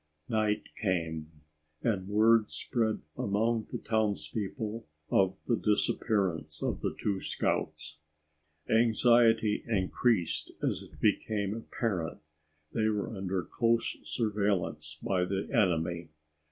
Night came, and word spread among the townspeople of the disappearance of the two scouts. Anxiety increased as it became apparent they were under close surveillance by the enemy.